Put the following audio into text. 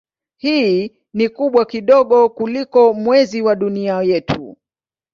Hii ni kubwa kidogo kuliko Mwezi wa Dunia yetu.